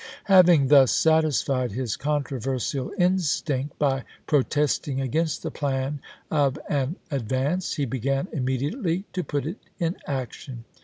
Having thus satisfied his controversial instinct by protesting against the plan of an advance, he began immediately to put it in action.